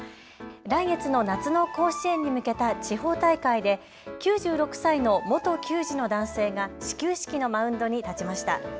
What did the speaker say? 来月の夏の甲子園に向けた地方大会で９６歳の元球児の男性が始球式のマウンドに立ちました。